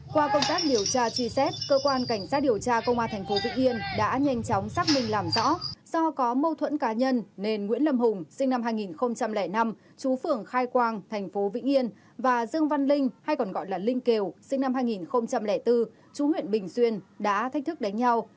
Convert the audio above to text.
qua công tác điều tra truy xét cơ quan cảnh sát điều tra công an tp vĩnh yên đã nhanh chóng xác minh làm rõ do có mâu thuẫn cá nhân nên nguyễn lâm hùng sinh năm hai nghìn năm chú phường khai quang thành phố vĩnh yên và dương văn linh hay còn gọi là linh kiều sinh năm hai nghìn bốn chú huyện bình xuyên đã thách thức đánh nhau